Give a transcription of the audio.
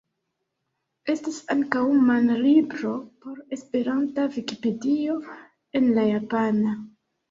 Estas ankaŭ manlibro por Esperanta Vikipedio en la japana.